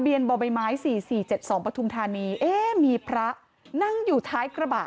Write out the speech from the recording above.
ทะเบียนบอบไม้ไม้สี่สี่เจ็ดสองปทุมธานีเอ๊ะมีพระนั่งอยู่ท้ายกระบะ